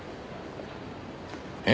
え？